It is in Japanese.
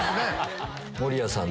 守屋さん